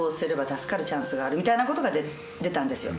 「助かるチャンスがある」みたいなことが出たんですよ